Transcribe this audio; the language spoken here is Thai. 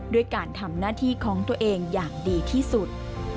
ด้วยการทำหน้าที่ของตัวเองอย่างดีที่สุด